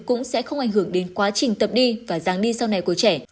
cũng sẽ không ảnh hưởng đến quá trình tập đi và giảng đi sau này của trẻ